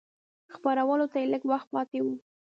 خپرولو ته یې لږ وخت پاته و.